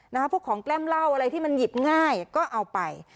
พวกของแกล้มเหล้าอะไรที่มันหยิบง่ายก็เอาไป